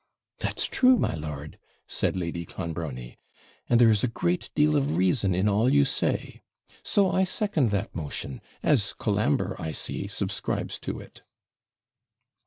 'That's true, my lord,' said Lady Clonbrony; 'and there is a great deal of reason in all you say so I second that motion, as Colambre, I see, subscribes to it.'